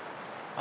あ！